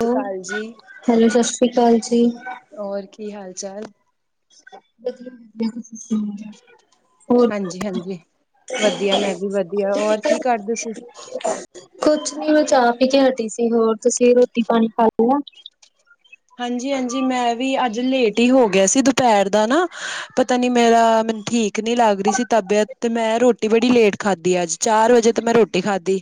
ਸਤਿ ਸ਼੍ਰੀ ਅਕਾਲ ਜੀ, ਸਤਿ ਸ੍ਰੀ ਅਕਾਲ ਜੀ। ਹੋਰ ਕੀ, ਹਾਲ-ਚਾਲ ਬਲ [unintelligible] ਹਾਂਜੀ -ਹਾਂਜੀ ਵਧੀਆ ਮੈਂ ਵੀ ਵਧੀਆ, ਹੋਰ ਕੀ ਕਰਦੇ ਸੀ? ਕੁਛ ਨਈ, ਮੈਂ ਚਾਹ ਪੀ ਕੇ ਹਟੀ ਸੀ। ਹੋਰ ਤੁਸੀਂ ਰੋਟੀ ਪਾਣੀ ਖਾ ਲਿਆ? ਹਾਂਜੀ -ਹਾਂਜੀ ਮੈਂ ਵੀ ਅੱਜ ਲੇਟ ਹੀ ਹੋ ਗਿਆ ਸੀ। ਦੁਪਹਿਰ ਦਾ ਨਾ, ਪਤਾ ਨਈ ਮੇਰਾ ਮੈਨ ਠੀਕ ਭੁੱਖ ਨਈ ਲੱਗ ਰਹੀ ਸੀ। ਤਬੀਅਤ ਤੇ ਮੈਂ ਰੋਟੀ ਬੜੀ ਲੇਟ ਖਾਧੀ, ਅੱਜ ਚਾਰ ਵਜੇ ਤੇ ਮੈਂ ਰੋਟੀ ਖਾਧੀ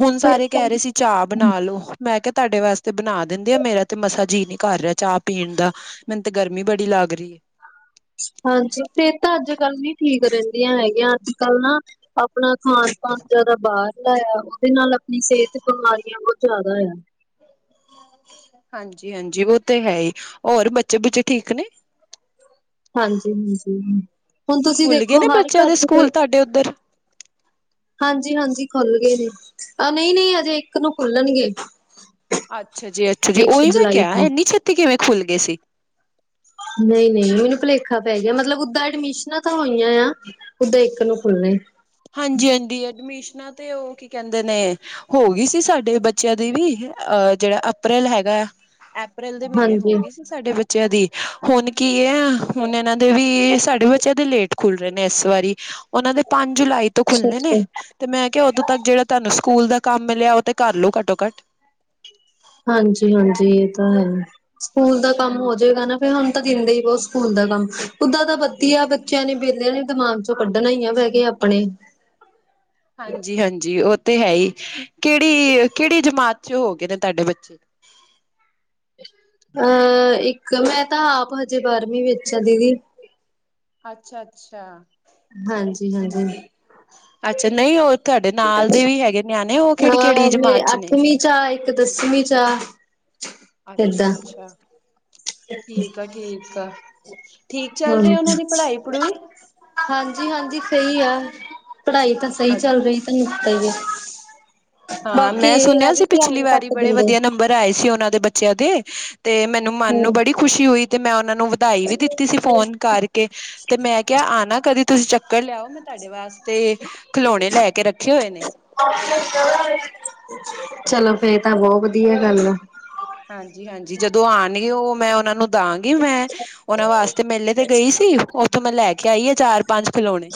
ਹੁਣ, ਸਾਰੇ ਸਿਹਤ ਕਹਿ ਰਹੇ ਸੀ। ਚਾਹ ਬਣਾ ਲੋ, ਮੈਂ ਕਿਹਾ ਤੁਹਾਡੇ ਵਾਸਤੇ ਬਣਾ ਦਿੰਦੀ ਆ, ਮੇਰਾ ਤੇ ਮਸਾਂ ਜੀਅ ਨਈ ਕਰ ਰਿਹਾ ਚਾਹ ਪੀਣ ਦਾ, ਮੈਨੂੰ ਤੇ ਗਰਮੀ ਬੜੀ ਲੱਗ ਰਹੀ ਏ ਹਾਂਜੀ, ਸਿਹਤਾਂ ਅੱਜ -ਕੱਲ ਨਈ ਠੀਕ ਰਹਿੰਦੀਆਂ ਹੈਗੀਆਂ, ਅੱਜ- ਕੱਲ ਨਾ ਆਪਣਾ ਖਾਾਨ -ਪਾਨ ਜਿਆਦਾ ਬਾਹਰ ਲਾਇਆ ਉਹਦੇ ਨਾਲ, ਆਪਣੀ ਸਿਹਤ ਬਿਮਾਰੀਆਂ, ਬਹੁਤ ਜ਼ਿਆਦਾ ਆ ਹਾਂਜੀ- ਹਾਂਜੀ ਉਹ ਤੇ ਹੈ ਹੀ, ਹੋਰ ਬੱਚੇ-ਬੁੱਚੇ ਠੀਕ ਨੇ ਹਾਂਜੀ-ਹਾਂਜੀ ਹੁਣ ਤੁਸੀਂ ਖੁੱਲ ਗਏ ਦੇਖੋ, ਨੇ ਹਰ ਬੱਚਿਆਂ ਘਰ ਦੇ ਚ ਸਕੂਲ ਕੋਈ ਤੁਹਾਡੇ ਉੱਧਰ? ਹਾਂਜੀ- ਹਾਂਜੀ ਖੁੱਲ ਗਏ ਨੇ, ਨਈ-ਨਈ ਅਜੇ ਇੱਕ ਨੂੰ ਖੁੱਲਣਗੇ ਅੱਛਾਜੀ- ਅੱਛਾਜੀ ਇੱਕ ਓਹੀ ਮੈਂ ਜੁਲਾਈ ਕਿਹਾ ਨੂੰ। ਇੰਨੀ ਛੇਤੀ ਕਿਵੇਂ ਖੁੱਲ ਗਏ ਸੀ। ਨਹੀਂ-ਨਹੀਂ ਮੈਨੂੰ ਭੁਲੇਖਾ ਪੈ ਗਿਆ, ਮਤਲਬ ਓਦਾਂ ਐਡਮਿਸ਼ਨਾਂ ਤਾਂ, ਹੋਈਆਂ ਆ ਉਦੇ ਇੱਕ ਨੂੰ ਖੁੱਲਣੇ ਹਾਂਜੀ- ਹਾਂਜੀ ਐਡਮਿਸ਼ਨਾਂ ਤੇ, ਉਹ ਕੀ ਕਹਿੰਦੇ ਨੇ ਹੋ ਗਈ ਸੀ। ਸਾਡੇ ਬੱਚਿਆਂ ਦੀ ਵੀ, ਅਹ ਜਿਹੜਾ ਅਪ੍ਰੈਲ ਹੈਗਾ। ਅਪ੍ਰੈਲ ਦੇ ਮਹੀਨੇ ਹਾਂਜੀ ਹੋ ਗਈ ਸੀ। ਸਾਡੇ ਬੱਚਿਆਂ ਦੀ ਹੁਣ ਕੀ ਐ, ਹੁਣ ਇਹਨਾਂ ਦੇ ਵੀ ਸਾਡੇ ਬੱਚਿਆਂ ਦੇ ਲੇਟ ਖੁੱਲ ਰਹੇ ਨੇ ਇਸ ਵਾਰੀ, ਉਹਨਾਂ ਦੇ ਪੰਜ ਜੁਲਾਈ ਤੋਂ ਖੁੱਲ੍ਹਣੇ ਨੇ ਅੱਛਾ-ਅੱਛਾ ਤੇ ਮੈਂ ਕਿਹਾ ਉਦੋਂ ਤੱਕ ਜਿਹੜਾ ਤੁਹਾਨੂੰ ਸਕੂਲ ਦਾ ਕੰਮ ਮਿਲਿਆ ਉਹ ਤੇ ਕਰ ਲਓ ਘੱਟੋ-ਘੱਟ ਹਾਂਜੀ ਹਾਂਜੀ ਇਹ ਤਾਂ ਹੈ, ਸਕੂਲ ਦਾ ਕੰਮ ਹੋਜਏਗਾ ਨਾ ਹੁਣ ਤਾਂ ਦਿੰਦੇ ਈ ਬਹੁਤ ਸਕੂਲ ਦਾ ਕੰਮ ਉੱਦਾਂ ਤਾਂ ਵਦੀਆ ਬੱਚਿਆਂ ਨੇ ਵਿਹਲਿਆਂ ਨੇ ਦਿਮਾਗ ਚੋਂ ਕੱਢਣਾ ਈ ਆ, ਬੈ ਕੇ ਆਪਣੇ [inaudible] ਹਾਂਜੀ ਹਾਂਜੀ। ਉਹ ਤੇ ਹੈ ਈ, ਕਿਹੜੀ-ਕਿਹੜੀ ਜਮਾਤ ਚ ਹੋ ਗਏ ਨੇ ਤੁਹਾਡੇ ਬੱਚੇ ਅਹ ਇੱਕ ਮੈਂ ਤਾਂ ਆਪ ਹਜੇ ਬਾਰਵੀਂ ਵਿੱਚ ਆ ਦੀਦੀ। ਅੱਛਾ- ਅੱਛਾ। ਹਾਂਜੀ ਹਾਂਜੀ। ਅੱਛਾ। ਨਈ ਉਹ ਤੁਹਾਡੇ ਨਾਲ ਦੇ ਵੀ ਹੈਗੇ ਨਿਆਣੇ ਉਹ ਕਿਹੜੀ- ਕਿਹੜੀ ਅ ਮੈਂ ਜਮਾਤ ਚ ਨੇ? ਅੱਠਵੀਂ ਚ ਆ ਇੱਕ ਦਸਵੀਂ ਚ ਆ ਅੱਛਾ- ਏਦਾਂ ਅੱਛਾ। ਠੀਕ ਆ ਠੀਕ ਆ। ਠੀਕ ਚੱਲ ਰਹੇ ਉਹਨਾਂ ਦੀ ਪੜ੍ਹਾਈ-ਪੜੂਈ? ਹਾਂਜੀ ਹਾਂਜੀ। ਸਹੀ ਐ, ਪੜ੍ਹਾਈ ਤਾਂ ਸਹੀ ਚੱਲ ਰਹੀ ਨਮਸਤੇ ਜੀ। ਹਾਂ ਮੈਂ ਸੁਣਿਆ ਸੀ ਪਿਛਲੀ ਵਾਰੀ ਘੱਟ ਬੜੇ ਦਿੰਦੇ ਵਧੀਆ ਨੰਬਰ ਆਏ ਸੀ ਉਹਨਾਂ ਦੇ ਬੱਚਿਆਂ ਦੇ, ਤੇ ਮੈਨੂੰ ਮੰਨ ਹੂੰ। ਨੂੰ ਬੜੀ ਖੁਸ਼ੀ ਹੋਈ ਤੇ ਮੈਂ ਉਹਨਾਂ ਨੂੰ ਵਧਾਈ ਵੀ ਦਿੱਤੀ ਸੀ ਫੋਨ ਕਰਕੇ, ਤੇ ਮੈਂ ਕਿਹਾ ਆਣਾ ਕਦੀ ਤੁਸੀਂ ਚੱਕਰ ਲਿਆਓ ਮੈ ਤੁ ਤੁਆਡੇ ਵਾਸਤੇ ਖਲੌਣੇ ਲੈ ਕੇ ਰੱਖੇ ਹੋਏ ਨੇ। ਚਲੋ ਫੇਰ ਤਾਂ ਬਹੁਤ ਵਧੀਆ ਗੱਲ ਐ। ਹਾਂਜੀ-ਹਾਂਜੀ। ਜਦੋਂ ਆਉਣਗੇ ਉਹ ਮੈਂ ਉਹਨਾਂ ਨੂੰ ਤਾ ਆਗੀ ਮੈਂ ਉਹਨਾਂ ਵਾਸਤੇ ਮੇਲੇ ਤੇ ਗਈ ਸੀ ਉੱਥੋਂ ਮੈਂ ਲੈ ਕੇ ਆਈ ਆ ਚਾਰ- ਪੰਜ ਖਿਲੋਣੇ।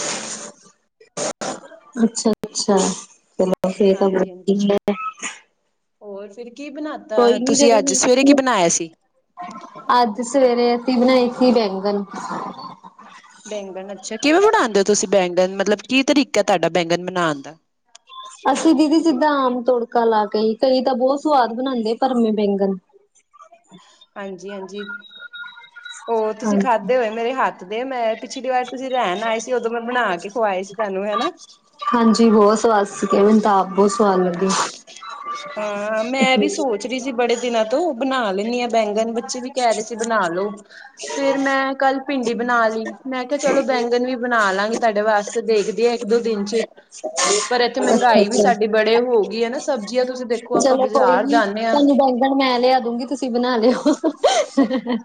ਅੱਛਾ ਅੱਛਾ ਚ ਹਾਂਜੀ ਹਾਂਜੀ। ਹੋਰ ਫਿਰ ਕੀ ਬਣਾ ਕੋਈ ਤਾਂ ਨੀ ਤੁਸੀਂ ਜਦੋਂ ਅੱਜ ਸਵੇਰੇ ਕੀ ਹੁਣ ਬਣਾਇਆ ਸੀ? ਅੱਜ ਸਵੇਰੇ ਅਸੀਂ ਬਣਾਈ ਸੀ ਬੈਂਗਨ। ਬੈਂਗਣ ਅੱਛਾ। ਕਿਵੇਂ ਬਣਾਉਂਦੇ ਹੋ ਤੁਸੀਂ ਬੈਂਗਣ ਮਤਲਬ ਕੀ ਤਰੀਕਾ ਤੁਹਾਡਾ ਬੈਂਗਣ ਬਣਾਣ ਦਾ? ਅਸੀਂ ਦੀਦੀ ਜਿੱਦਾਂ ਆਮ ਤੋੜਕਾ ਲਾ ਕੇ, ਕਈ ਤਾਂ ਬਹੁਤ ਸਵਾਦ ਬਣਾਦੇ ਭਰਮੇ ਬੈਂਗਣ। ਹਾਂਜੀ ਹਾਂਜੀ। ਉਹ ਹਾਂ ਤੁਸੀਂ ਖਾਧੇ ਹੋਏ ਮੇਰੇ ਹੱਥ ਦੇ ਮੈਂ ਪਿਛਲੀ ਵਾਰ ਤੁਸੀਂ ਰਹਿਣ ਆਏ ਸੀ ਉਦੋਂ ਮੈਂ ਬਣਾ ਕੇ ਖਵਾਏ ਸੀ ਤੁਆਨੂੰ ਹੈ ਨਾ? ਹਾਂਜੀ ਬਹੁਤ ਸਵਾਦ ਸੀਗੇ, ਮੈਨੂੰ ਤਾ ਆਪ ਬੋਤ ਸਵਾਦ ਹਾਂ ਲੱਗੇ। ਓ ਹੋ ਚਰੀ ਜੀ, ਬੜੇ ਦਿਨਾਂ ਤੋਂ ਬਣਾ ਲੈਂਦੀ ਆਂ ਬੈਂਗਨ ਬੱਚੇ ਵੀ ਕਹਿ ਰਹੇ ਸੀ ਬਣਾ ਲੋ। ਫੇਰ ਮੈਂ ਕੱਲ- ਭਿੰਡੀ ਬਣਾ ਲਈ ਮੈਂ ਕਿਹਾ ਚਲੋ ਬੈਂਗਣ ਵੀ ਬਣਾ ਲਾਂਗੀ ਤੁਹਾਡੇ ਵਾਸਤੇ ਦੇਖਦੀਏ ਇੱਕ- ਦੋ ਦਿਨ ਚ ਪਰ ਇੱਥੇ ਮਹਿੰਗਾਈ ਵੀ ਅੱਛਾ-ਅੱਛਾ ਸਾਡੀ ਬੜੇ ਹੋ ਗਈ ਐ ਨਾ। ਸਬਜ਼ੀਆਂ ਤੁਸੀਂ ਦੇਖੋ ਆਪਾਂ ਚਲੋ ਕੋਈ ਬਾਜ਼ਾਰ ਨੀ ਜਾਂਦੇ ਹਾਂ ਤੁਹਾਨੂੰ ਬੈਗਣ ਮੈਂ ਲਿਆ ਦੂਗੀ ਤੁਸੀਂ ਬਣਾ ਲਿਓ।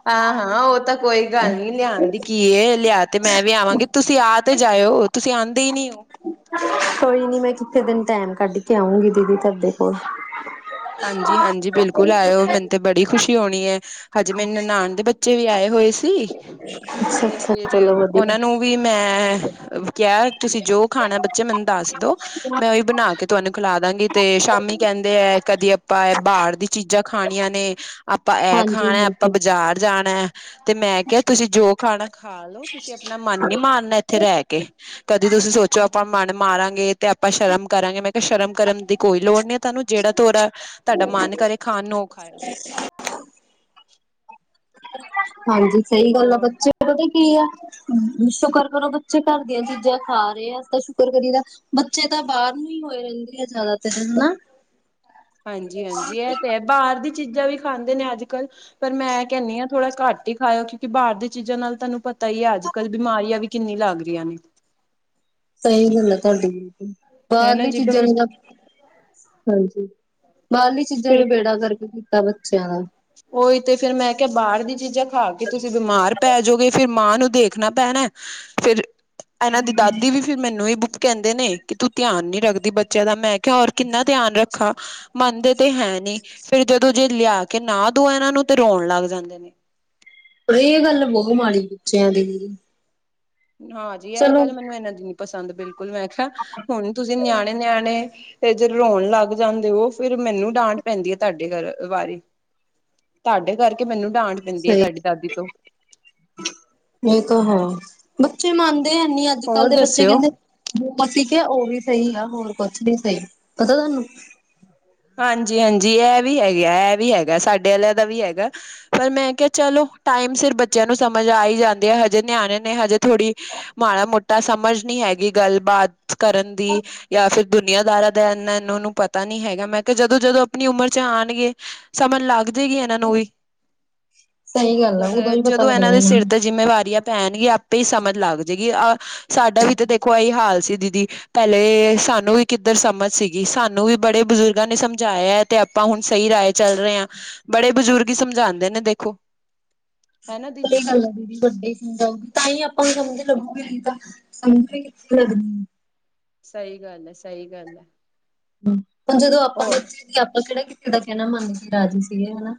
ਆ-ਹਾ। ਉਹ ਤਾਂ ਕੋਈ ਗੱਲ ਨਈ ਲਿਆਉਣ ਦੀ ਕੀ ਲਿਆ ਤੇ ਮੈਂ ਵੀ ਆਵਾਂਗੀ ਤੁਸੀਂ ਆ ਤੇ ਜਾਇਓ ਤੁਸੀਂ ਆਦੇ ਈਨੀ ਓ। ਕੋਈ ਨੀ ਮੈਂ ਕਿੱਥੇ ਦਿਨ ਟੈਮ ਕੱਢ ਕੇ ਆਵਾਗੀ ਦੀਦੀ ਤੁਹਾਡੇ ਕੋਲ। ਹਾਂਜੀ -ਹਾਂਜੀ ਬਿਲਕੁਲ ਆਇਓ ਮੈਨੂੰ ਤੇ ਬੜੀ ਖੁਸ਼ੀ ਹੋਣੀ ਐ। ਹਜੇ ਮਰੀ ਨੰਨਾਣ ਦੇ ਬੱਚ ਬੇ ਵੀ ਆਏ ਹੋਏ ਸੀ। [inaudible] ਤੇ ਫੇਰ ਚਲੋ ਵਧੀਆ ਓਨਾਂ ਨੂੰ ਵੀ ਮੈਂ ਕੇਆ ਤੁਸੀਂ ਜੋ ਖਾਨਾ ਬੱਚੇ ਮੈਨੂੰ ਦੱਸ ਦੋ। ਮੈਂ ਓਈ ਬਨਾ ਕੇ ਤੁਆਨੂੰ ਖਿਲਾ ਦਾਂਗੀ ਤੇ ਸ਼ਾਮੀ ਕੈਂਦੇ ਐ ਕਦੇ ਆਪਾਂ ਐ ਬਾਰ ਦੀ ਚੀਜ਼ਾਂ ਖਾਨੀਆਂ ਨੇ ਆਪਾਂ ਐ ਹਾਂਜੀ ਖਾਣਾ ਆਪਾਂ ਹਾਂਜੀ ਬਾਜ਼ਾਰ ਜਾਣਾ ਐ। ਤੇ ਮੈਂ ਕੇਆ ਤੁਸੀਂ ਜੋ ਖਾਣਾ ਖਾ ਲੋ ਤੁਸੀਂ ਅਪਨਾ ਮਨ ਨੀ ਮਾਰਨਾ ਏਥੇ ਰੈ ਕੇ ਕਦੇ ਤੁਸੀਂ ਸੋਚੋ ਆਪਾਂ ਮਨ ਮਾਰਾਂਗੇ ਤੇ ਆਪਾਂ ਸ਼ਰਮ ਕਰਾਂਗੇ ਮੈਂ ਸ਼ਰਮ ਕਰਮ ਦੀ ਕੋਈ ਲੋੜ ਨੀ ਐ ਤੁਆਨੂੰ ਜੇੜਾ ਤੋੜਾ ਤੁਆਡਾ ਮਨ ਕਰੇ ਖਾਣ ਨੂੰ ਓ ਖਾਓ ਹਾਂਜੀ ਸਈ ਗੱਲ ਆ, ਖਾਓ ਬੱਚੇ ਪਤਾ ਕੀ ਆ ਹੂੰ, ਸ਼ੁਕਰ ਕਰੋ ਬੱਚੇ ਘਰ ਦੀਆਂ ਚੀਜ਼ਾਂ ਖਾ ਰੇ ਆ ਤਾਂ ਸ਼ੁਕਰ ਕਰੀ ਦਾ ਬੱਚੇ ਤਾਂ ਬਾਰ ਨੂੰ ਹੀ ਹੋਏ ਰੈਂਦੇ ਆ ਜ਼ਿਆਦਾਤਰ ਹਨਾ ਹਾਂਜੀ-ਹਾਂਜੀ ਐ ਤੇ ਹੈ, ਬਾਰ ਦੀ ਚੀਜ਼ਾਂ ਵੀ ਖਾਂਦੇ ਨੇ ਅੱਜ-ਕੱਲ। ਪਰ ਮੈਂ ਕੈਨੀ ਆਂ ਥੋੜ੍ਹਾ ਘੱਟ ਈ ਖਾਇਓ ਕਿਉਂਕਿ ਬਾਰ ਦੀ ਚੀਜ਼ਾਂ ਨਾਲ ਤੁਆਨੂੰ ਪਤਾ ਈ ਐ ਅੱਜ ਕੱਲ ਬਿਮਾਰੀਆਂ ਵੀ ਕਿੰਨੀਆਂ ਲੱਗ ਰਿਆਂ ਨੇ। ਸਈ ਗੱਲ ਹੈ ਤੁਆਡੀ ਬਿਲਕੁਲ, ਹਨਾ ਬਾਰਲੀ ਜੀ ਚੀਜ਼ਾਂ ਵੀ ਨਾ ਹਾਂਜੀ। ਬਾਰਲੀ ਚੀਜ਼ਾਂ ਨੇ ਫਿਰ ਬੇੜਾ ਗਰਕ ਕੀਤਾ ਬੱਚੇਆਂ ਦਾ। ਓਈ ਤੇ ਫੇਰ ਮੈਂ ਕੇਆ ਬਾਰ ਦੀਆਂ ਚੀਜ਼ਾਂ ਖਾ ਕੇ ਤੁਸੀਂ ਬਿਮਾਰ ਪੈ ਜੋਗੇ ਫੇਰ ਮਾਂ ਨੂੰ ਦੇਖਣਾ ਪੈਣਾ ਫਿਰ ਐਨਾਂ ਦੀ ਦਾਦੀ ਵੀ ਫੇਰ ਮੈਨੂੰ ਈ ਕੈਂਦੇ ਨੇ ਕਿ ਤੂੰ ਧਿਆਨ ਨੀ ਰੱਖਦੀ ਬੱਚੇਆਂ ਦਾ ਮੈਂ ਕੇਆ ਔਰ ਕਿੰਨਾ ਧਿਆਨ ਰੱਖਾ, ਮੰਨਦੇ ਤੇ ਹੈ ਨੀ ਫੇਰ ਜਦੋਂ ਜੇ ਲੇਆ ਕੇ ਨਾ ਦੋ ਏਨਾਂ ਨੂੰ ਤੇ ਰੋਣ ਲੱਗ ਜਾਂਦੇ ਨੇ। ਪਰ ਏ ਗੱਲ ਬੋਹ ਮਾੜੀ ਬੱਚੇਆਂ ਦੀ। ਹਾਂਜੀ ਐ ਚਲੋ ਗੱਲ ਮੈਨੂੰ ਏਨਾਂ ਦੀ ਨੀ ਪਸੰਦ ਬਿਲਕੁਲ ਮੈਂ ਕੇਆ ਹੁਨ ਤੁਸੀਂ ਨਿਆਣੇ-ਨਿਆਣੇ ਫੇਰ ਜੇ ਰੋਣ ਲੱਗ ਜਾਂਦੇ ਓ, ਫਿਰ ਮੈਨੂੰ ਡਾਂਟ ਪੈਂਦੀ ਐ ਤੁਆਡੇ ਕਾਰ ਵਾਰੀ। ਤੁਆਡੇ ਕਰਕੇ ਮੈਨੂੰ ਡਾਂਣ ਪੈਂਦੀ ਏ ਤੁਆਡੀ ਦਾਦੀ ਤੋਂ। ਏ ਤਾਂ ਹੈ ਬੱਚੇ ਮੰਨਦੇ ਹੈਨੀ ਅੱਜ-ਕੱਲ ਹੋਰ ਦੇ ਬੱਚੇ ਦੱਸਿਓ ਕੈਂਦੇ ਜੋ ਅਸੀਂ ਕੇਆ ਓਹੀ ਸਈ ਆ, ਹੋਰ ਕੁਛ ਨੀ ਸਈ ਪਤਾ ਤੁਆਨੂੰ? ਹਾਂਜੀ-ਹਾਂਜੀ ਐ ਵੀ ਹੈਗਾ, ਐ ਵੀ ਹੈਗਾ ਸਾਡੇ ਵਾਲਿਆਂ ਦਾ ਵੀ ਹੈਗਾ। ਪਰ ਮੈਂ ਕੇਆ ਚਲੋ ਟਾਈਮ ਸਿਰ ਬੱਚੇਆਂ ਨੂੰ ਸਮਝ ਆ ਈ ਜਾਂਦੀ ਐ ਹਜੇ ਨਿਆਣੇ ਨੇ ਹਜੇ ਥੋੜ੍ਹੀ ਮਾੜਾ ਮੋਟਾ ਸਮਝ ਨੀ ਹੈਗੀ ਗੱਲਬਾਤ ਕਰਨ ਦੀ। ਜਾਂ ਫਿਰ ਦੁਨੀਆਂਦਾਰਾਂ ਦਾ ਐਨਾ ਏਨਾਂ ਨੂੰ ਪਤਾ ਨੀ ਹੈਗਾ ਮੈਂ ਕਿ ਜਦੋਂ-ਜਦੋਂ ਅਪਨੀ ਉਮਰ 'ਚ ਆਨਗੇ ਸਮਝ ਲੱਗ ਜੇਗੀ ਏਨਾਂ ਨੂੰ ਵੀ। ਸਹੀ ਗੱਲ ਆ ਜਦ ਉਦੋਂ ਹੀ ਪਤਾ ਜਦੋਂ ਲੱਗਣਾ ਏਨਾਂ ਦੇ ਇਹਨਾਂ ਸਿਰ ਨੂੰ ਤੇ ਜਿੰਮੇਵਾਰੀਆਂ ਪੈਨਗੀਆਂ ਆਪੇ ਈ ਸਮਝ ਲੱਗ ਜੇਗੀ, ਆਹ ਸਾਡਾ ਵੀ ਤਾਂ ਦੇਖੋ ਐਈ ਹਾਲ ਸੀ ਦੀਦੀ। ਪੈਲੇ ਸਾਨੂੰ ਵੀ ਕਿੱਧਰ ਸਮਝ ਸੀਗੀ ਸਾਨੂੰ ਵੀ ਬੜੇ ਬਜ਼ੁਰਗ ਗਾਂ ਨੇ ਸਮਝਾਇਆ ਤੇ ਆਪਾਂ ਹੁਨ ਸਹੀ ਰਾਏ ਚੱਲ ਰੇ ਆਂ। ਬੜੇ ਬਜ਼ੁਰਗ ਈ ਸਮਝਾਂਦੇ ਨੇ ਦੇਖੋ ਹਨਾ ਸਈ ਦੀਦੀ ਗੱਲ ਏ ਦੀਦੀ ਤੁਆਡੀ। ਸਮਝ ਆਊਗੀ ਤਾਂ ਈ ਆਪਾਂ ਨੂੰ ਸਮਝ ਲੱਗੂਗੀ ਨਈ ਤਾਂ ਸਮਝ ਈ ਨੀ ਲਗਨੀ। ਸਈ ਗੱਲ ਐ, ਸਈ ਗੱਲ ਐ। ਹੂੰ, ਹੁਨ ਜਦੋਂ ਆਪਾਂ ਬੱਚੇ ਸੀ ਆਪਾਂ ਕੇੜਾ ਕਿਸੇ ਦਾ ਕੈਣਾ ਮੰਨ ਕੇ ਰਾਜੀ ਸੀਗੇ ਹਨਾ।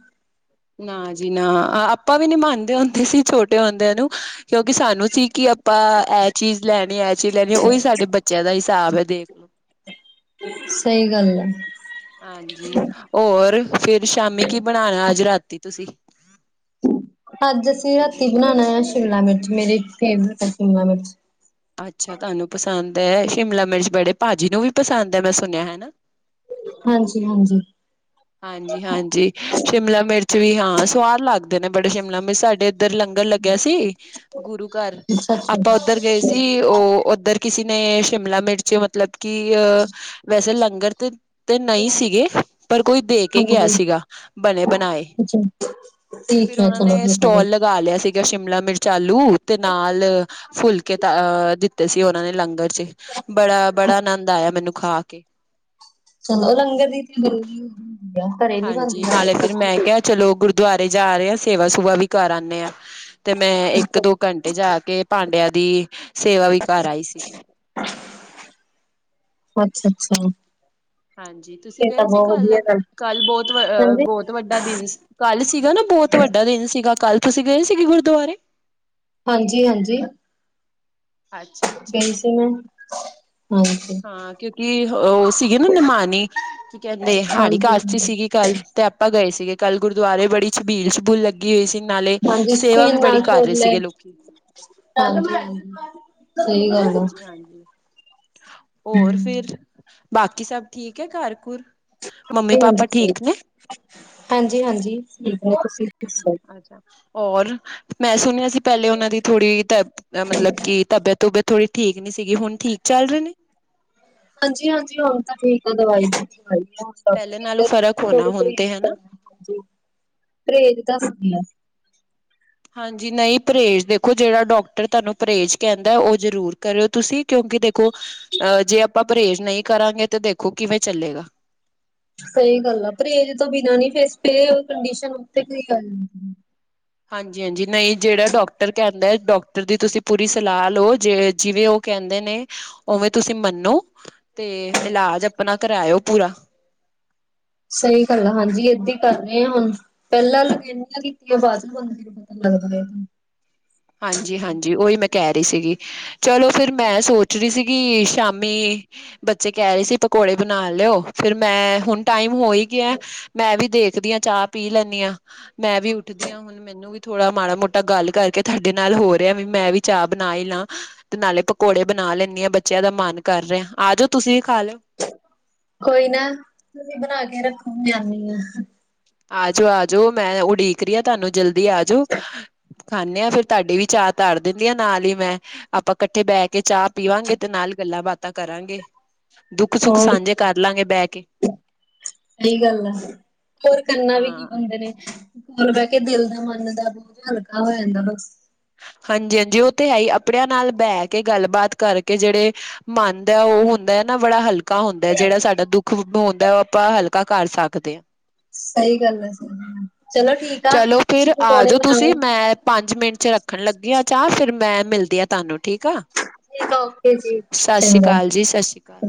ਨਾ ਜੀ ਨਾ, ਆਪਾਂ ਵੀ ਨੀ ਮੰਨਦੇ ਹੁੰਦੇ ਸੀ ਛੋਟੇ ਹੁੰਦੇਆਂ ਨੂੰ। ਕਿਉਂਕਿ ਸਾਨੂੰ ਸੀ ਕਿ ਆਪਾਂ ਐ ਚੀਜ਼ ਲੈਣੀ, ਐ ਚੀਜ਼ ਲੈਣੀ ਓਈ ਸਾਡੇ ਬੱਚੇਆਂ ਦਾ ਹਿਸਾਬ ਹੈ ਦੇਖ ਲੋ। ਸਈ ਗੱਲ ਐ। ਹਾਂਜੀ, ਔਰ ਫੇਰ ਸ਼ਾਮੀ ਕੀ ਬਣਾਣਾ ਅੱਜ ਰਾਤੀ ਤੁਸੀਂ? ਅੱਜ ਅਸੀਂ ਰਾਤੀ ਬਨਾਨਾ ਐ ਸ਼ਿਮਲਾ ਮਿਰਚ, ਮੇਰੀ ਫੇਵਰੇਟ ਐ ਸ਼ਿਮਲਾ ਮਿਰਚ। ਅੱਛਾ ਤੂਆਨੂੰ ਪਸੰਦ ਐ, ਸ਼ਿਮਲਾ ਮਿਰਚ ਬੜੇ, ਭਾਜੀ ਨੂੰ ਵੀ ਪਸੰਦ ਐ, ਮੈਂ ਸੁਨੇਆ, ਹੇਨਾ? ਹਾਂਜੀ-ਹਾਂਜੀ। ਹਾਂਜੀ-ਹਾਂਜੀ ਸ਼ਿਮਲਾ ਮਿਰਚ ਵੀ, ਹਾਂ ਸਵਾਦ ਲੱਗਦੇ ਨੇ, ਬੜੇ ਸ਼ਿਮਲਾ ਮਿਰਚ, ਸਾਡੇ ਏਦੱਰ ਲੰਗ ਲੱਗੇਆ ਸੀ ਗੁਰੂ ਘਾਰ ਅੱਛਾ ਅੱਛਾ ਆਪਾਂ ਓਦਰ ਗਏ ਸੀ, ਓ ਓਦੱਰ ਕਿਸੀ ਨੇ ਸ਼ਿਮਲਾ ਮਿਰਚ ਮਤਲਬ ਕਿ ਅ ਵੈਸੇ ਲੰਗਰ ਤੇ ਤੇ ਨਈ ਸੀਗੇ ਪਰ ਕੋਈ ਦੇ ਕੇ ਗੇਆ ਹਾਂਜੀ ਸੀਗਾ ਬਨੇ ਬਨਾਏ, ਅੱਛਾ ਠੀਕ ਫਿਰ ਹੈ ਓਨਾਂ ਚਲੋ ਨੇ ਠੀਕ ਹੈ ਫਿਰ ਸਟੋਲ ਲਗਾ ਲੇਆ ਸੀ ਸ਼ਿਮਲਾ ਮਿਰਚ, ਆਲੂ ਤੇ ਨਾਲ ਫੁਲਕੇ ਤ ਅ ਦਿੱਤੇ ਸੀ ਓਨਾਂ ਨੇ ਲੰਗਰ ਚ ਬੜਾ-ਬੜਾ ਆਨੰਦ ਆਏਆ ਮੈਨੂੰ ਖਾ ਕੇ। ਚਲੋ ਲੰਗਰ ਦੀ ਤੇਆਰੀ [unintelligible] ਘਰੇ ਨੀ ਹਾਂਜੀ ਬੇਦੀਂਆ ਨਾਲੇ ਜਾ ਫਿਰ ਮੈਂ ਕੇ। ਕਿਹਾ ਚਲੋ ਗੁਰਦੁਆਰੇ ਜਾ ਰੇ ਆਂ, ਸੇਵਾ-ਸੂਵਾ ਵੀ ਕਾਰ ਆਨੇ ਆਂ। ਤੇ ਮੈਂ ਏਕ-ਦੋ ਘੰਟੇ ਜਾ ਕੇ, ਪਾਂਡੇਆਂ ਦੀ ਸੇਵਾ ਵੀ ਕਾਰ ਆਈ ਸੀਗੀ। ਅੱਛਾ-ਅੱਛਾ। ਹਾਂਜੀ, ਤੂਸੀ ਗਏ ਸੀ ਵਧੀਆ ਕਾੱਲ, ਗੱਲ ਕਾੱਲ ਬੋਤ ਵ ਅ ਹਾਂਜੀ ਬੋਤ ਵੱਡਾ ਦਿਨ ਸੀ, ਕਾੱਲ ਸੀਗਾ ਨਾ ਬੋਤ ਵੱਡਾ ਦਿਨ ਸੀਗਾ, ਕਾੱਲ ਤੂਸੀ ਗਏ ਸੀਗੇ ਗੁਰਦੁਆਰੇ? ਹਾਂਜੀ-ਹਾਂਜੀ ਅੱਛਾ ਅੱਛਾ ਗਈ ਸੀ ਮੈਂ, ਹਾਂਜੀ। ਹਾਂ ਕਿਉਂਕਿ ਓ ਸੀਗੀ ਨਾ ਨਿਮਾਨੀ, ਕੀ ਕੈਂਦੇ ਹਾੜੀ ਹਾਂਜੀ ਕਾਸਤੀ ਸੀਗੀ ਕਾੱਲ। ਤੇ ਆਪਾਂ ਗਏ ਸੀਗੇ ਕੱਲ ਗੁਰਦੁਆਰੇ, ਬੜੀ ਛਬੀਲ-ਛਬੂਲ ਲੱਗੀ ਹੋਈ ਸੀ। ਨਾਲੇ ਹਾਂਜੀ ਸੇਵਾ ਵੀ ਬੜੀ ਕਾਰ ਰੇ ਸੀਗੇ ਲੋਕੀ। [unintelligible] ਸਈ ਗਾੱਲ ਏ। ਔਰ ਫਿਰ, ਬਾਕੀ ਸਬ ਠੀਕ ਐ, ਘਰ-ਘੁਰ? ਮੰਮੀ-ਪਾਪਾ ਠੀਕ ਨੇ? ਹਾਂਜੀ-ਹਾਂਜੀ ਠੀਕ ਨੇ, ਤੂਸੀ ਦੱਸੋ? ਅੱਛਾ ਔਰ ਮੈਂ ਸੁਨੇਆ ਸੀ ਪ੍ਹੈਲੇ ਓਨਾਂ ਦੀ ਥੋੜੀ ਤ ਮਤਲਬ ਕਿ ਤਬੀਅਤ-ਤੂਬੀਅਤ ਥੋੜੀ ਠੀਕ ਨੀ ਸੀਗੀ ਹੁਨ ਠੀਕ ਚਾੱਲ ਰੇ ਨੇ? ਹਾਂਜੀ-ਹਾਂਜੀ ਹੂਨ ਤਾਂ ਠੀਕ ਏ ਦਵਾਈ [unintelligible] ਹਾਂਜੀ, ਪਹਿਲੇ ਨਾਲੋਂ ਫ਼ਰਕ ਹੋਣਾ ਹੁਣ ਤੇ ਹਨਾ ਪਰਏਜ ਦੱਸਦੀ ਆਂ। ਹਾਂਜੀ, ਨਈਂ ਪਰਏਜ ਦੇਖੋ, ਜੇੜਾ ਡੋਕਟਰ ਤੂਆਨੂੰ ਪਰਏਜ ਕੈਂਦੈ, ਓ ਜਰੂਰ ਕਰੇਓ ਤੂਸੀ। ਕਿਉਂਕਿ ਦੇਖੋ ਅ ਜੇ ਆਪਾਂ ਪਰਏਜ ਨਈ ਕਰਾਂਗੇ, ਤੇ ਦੇਖੋ ਕਿਵੇਂ ਚੱਲੇਗਾ। ਸਈ ਗਾੱਲ ਆ, ਪਰਏਜ ਤੋਂ ਬਿਨਾਂ ਨੀ ਫੇਅ ਸਟੇਅ ਕੰਡੀਸ਼ਨ ਓਥੇ ਤੇ ਈ ਆ ਜਾਂਦੀ ਐ। ਹਾਂਜੀ-ਹਾਂਜੀ, ਨਈਂ ਜੇੜਾ ਡੋਕਟਰ ਕੈਂਦੈ ਡੋਕ ਦੀ ਤੂਸੀ ਪੂਰੀ ਸਲਾਅ ਲੋ ਜੇ, ਜਿਵੇਂ ਓ ਕੈਂਦੇ ਨੇ ਓਵੇਂ ਤੂਸੀ ਮੰਨੋ, ਤੇ ਇਲਾਜ ਅਪਨਾ ਕਰਾਏਓ ਪੂਰਾ। ਸਈ ਗਾੱਲ ਆ, ਹਾਂਜੀ ਏਦੀ ਕਾਰ ਰੇ ਹੁਨ, ਪ੍ਹੈਲਾਂ ਲਕਨੀਆਂ ਕੀਤੀਆਂ [unintelligible] [inaudible] ਹਾਂਜੀ-ਹਾਂਜੀ ਓਈ ਮੈਂ ਕੈ ਰੀ ਸੀਗੀ। ਚਲੋ ਫਿਰ ਮੈਂ ਸੋਚ ਰੀ ਸੀਗੀ, ਸ਼ਾਮੀ ਬੱਚੇ ਕੈ ਰੇ ਸੀ ਪਕੌੜੇ ਬਨਾ ਲੇਓ ਫੇਰ ਮੈਂ ਹੁਨ ਟਾਈਮ ਹੋ ਈ ਗੇਐ, ਮੈਂ ਵੀ ਦੇਖਦੀ ਆਂ ਚਾਅ ਟ ਪੀ ਲੈਂਨੀ ਆਂ, ਮੈਂ ਵੀ ਉੱਠਦੀ ਆਂ, ਹੁਨ ਮੈਨੂੰ ਵੀ ਥੋੜਾ ਮਾੜਾ-ਮੋਟਾ ਗਾੱਲ ਕਾਰਕੇ ਥਾਡੇ ਨਾਲ ਹੋ ਰੇਐ, ਵੀ ਮੈਂ ਵੀ ਚਾਅ ਬਨਾ ਈ ਲਾਂ। ਤੇ ਨਾਲੇ ਪਕੌੜੇ ਬਨਾ ਲੈਨੀ ਆਂ, ਬੱਚੇਆਂ ਦਾ ਮਾੰਨ ਕਾਰ ਰੇਐ, ਆਜੋ ਤੂਸੀ ਵੀ ਖਾ ਲਿਓ ਕੋਈ ਨਾ, ਤੂਸੀ ਬਨਾ ਕੇ ਰੱਖੋ, ਮੈਂ ਆਨੀ ਆ। ਆਜੋ-ਆਜੋ ਮੈਂ ਉਡੀਕ ਰੀ ਆਂ ਤਾਨੂੰ, ਜਲਦੀ ਆਜੋ। ਖਾਂਨੇ ਆਂ, ਫਿਰ ਤਾਡੀ ਵੀ ਚਾਅ ਤਾੱਰ ਦੇਨੀ ਆਂ ਨਾਲ ਈ ਮੈਂ, ਆਪਾਂ ਕੱਠੇ ਬੈ ਕੇ ਚਾਅ ਪੀਵਾਂਗੇ ਤੇ ਨਾਲ ਗੱਲਾਂਬਾਤਾਂ ਕਰਾਂਗੇ, ਦੁੱਖ ਸੁੱਖ ਹੋਰ ਸਾਂਝੇ ਕੀ, ਕਰ ਲਾਂਗੇ ਬਹਿ ਕੇ। ਸਹੀ ਗੱਲ ਆ, ਹੋਰ ਕਰਨਾ ਵੀ ਕੀ ਹਾਂ ਬੰਦੇ ਨੇ। ਕੋਲ ਬਹਿ ਕੇ ਦਿਲ ਦਾ ਮਨ ਦਾ ਬਹੁਤ ਹਲਕਾ ਹੋ ਜਾਂਦਾ ਬਸ। ਹਾਂਜੀ ਹਾਂਜੀ ਉਹ ਤੇ ਹੈ ਹੀ, ਆਪਣਿਆਂ ਨਾਲ ਬਹਿ ਕੇ ਗੱਲਬਾਤ ਕਰਕੇ ਜਿਹੜੇ ਮੰਨ ਦਾ ਉਹ ਹੁੰਦਾ ਐ ਨਾ ਬੜਾ ਹਲਕਾ ਹੁੰਦਾ ਜਿਹੜਾ ਸਾਡਾ ਦੁੱਖ ਹੁੰਦਾ ਉਹ ਆਪਾਂ ਹਲਕਾ ਕਰ ਸਕਦੇ। ਸਹੀ ਗੱਲ ਐ ਸਹੀ ਗੱਲ। ਚਲੋ ਠੀਕ ਆ ਚਲੋ ਫਿਰ ਤੁਸੀਂ ਆ ਪਕੌੜੇ ਜਾਓ ਤੁਸੀਂ ਬਣਾਓ ਮੈਂ ਪੰਜ ਮਿੰਟ ਚ ਰੱਖਣ ਲੱਗੀ ਆ ਚਾਹ ਫਿਰ ਮੈਂ ਮਿਲਦੀ ਆ ਤੁਹਾਨੂੰ। ਠੀਕ ਆ, ਠੀਕ ਆ ਓਕੇ ਜੀ ਸਸ ਸੀ ਚੰਗਾ ਕਾਲ ਜੀ ਸਸ ਸੀ ਕਾਲ।